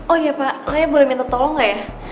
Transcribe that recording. oh ya pak saya boleh minta tolong gak ya